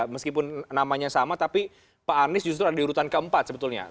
meskipun namanya sama tapi pak anies justru ada di urutan keempat sebetulnya